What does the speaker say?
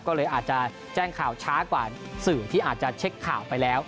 ก็เลยอาจจะแจ้งข่าวช้ากว่าสื่อที่อาจจะเช็คข่าวไปแล้ว